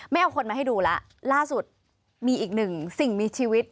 ไม่เอาคนมาให้ดูแล้วล่าสุดมีอีกหนึ่งสิ่งมีชีวิต